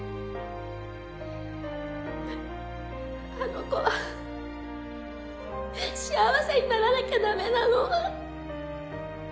あの子は幸せにならなきゃダメなの。